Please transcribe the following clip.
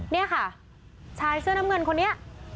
นี่ค่ะชายเสื้อน้ำเงินคนนี้